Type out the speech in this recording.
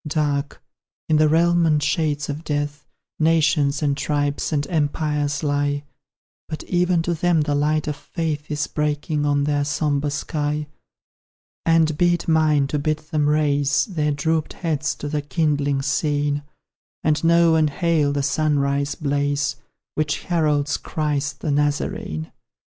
Dark, in the realm and shades of Death, Nations, and tribes, and empires lie, But even to them the light of Faith Is breaking on their sombre sky: And be it mine to bid them raise Their drooped heads to the kindling scene, And know and hail the sunrise blaze Which heralds Christ the Nazarene.